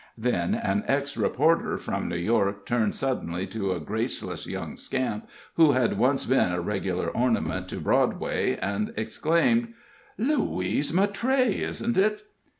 Then an ex reporter from New York turned suddenly to a graceless young scamp who had once been a regular ornament to Broadway, and exclaimed: "Louise Mattray, isn't it?"